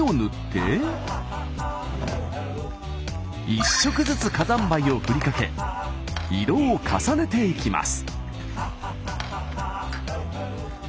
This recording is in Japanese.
１色ずつ火山灰をふりかけ色を重ねていきます。